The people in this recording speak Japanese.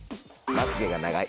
「まつげが長い」